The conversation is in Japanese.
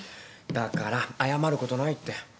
だから謝ることないって。